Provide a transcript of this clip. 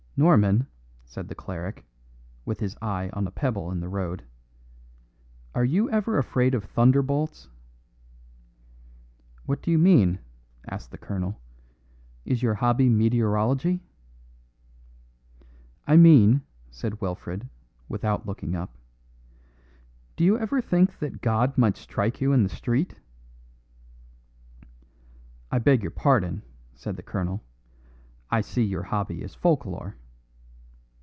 "Norman," said the cleric, with his eye on a pebble in the road, "are you ever afraid of thunderbolts?" "What do you mean?" asked the colonel. "Is your hobby meteorology?" "I mean," said Wilfred, without looking up, "do you ever think that God might strike you in the street?" "I beg your pardon," said the colonel; "I see your hobby is folk lore."